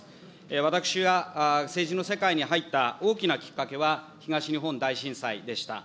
私は政治の世界に入った大きなきっかけは、東日本大震災でした。